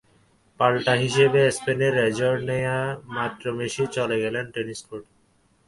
পাল্টা হিসেবে স্পেনের রেজর নেওয়া মাত্র মেসি চলে গেলেন টেনিস কোর্টে।